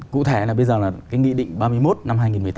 cụ thể là bây giờ là cái nghị định ba mươi một năm hai nghìn một mươi tám